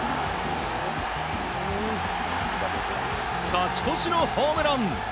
勝ち越しのホームラン。